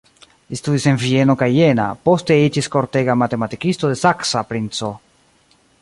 Li studis en Vieno kaj Jena, poste iĝis kortega matematikisto de saksa princo.